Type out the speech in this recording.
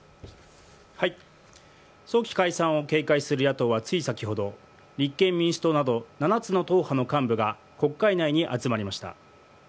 早期解散を警戒する野党はつい先ほど立憲民主党など７つの党派の幹部が国会内に集まりました。